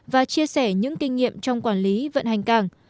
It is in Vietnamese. và chia sẻ những kinh nghiệm trong quản lý vận hành cảng